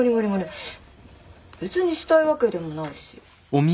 別にしたいわけでもないし。